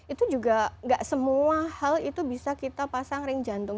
itu juga gak semua hal itu bisa kita pasang ring jantung